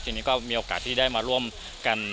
ทีนี้ก็มีโอกาสที่ได้มาร่วมกัน